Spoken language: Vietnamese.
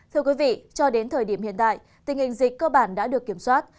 thưa quý vị cho đến thời điểm hiện tại tình hình dịch cơ bản đã được kiểm soát